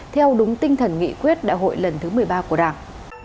theo đúng tinh thần nghị quyết đại hội lần thứ một mươi ba của đảng